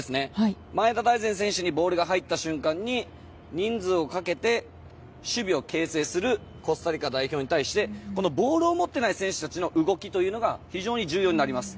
前田大然選手にボールが入った瞬間に人数をかけて守備を形成するコスタリカ代表に対してボールを持っていない選手たちの動きというのが非常に重要になります。